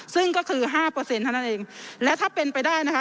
ซึ่งก็คือห้าเปอร์เซ็นต์เท่านั้นเองและถ้าเป็นไปได้นะคะ